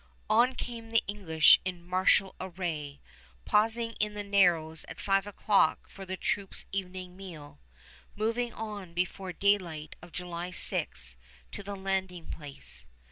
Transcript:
On came the English in martial array, pausing in the Narrows at five o'clock for the troops' evening meal, moving on before daylight of July 6 to the landing place.